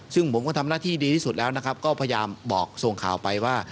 ซึ่งผมก็ทำหน้าที่ดีที่สุดแล้วนะครับก็พยายามบอกส่งข่าวไปว่า